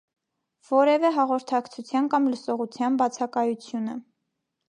Որեւէ հաղորդակցութեան կամ լսողութեան բացակայութիւնը։